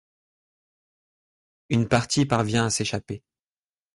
Une partie parvient à s'échapper.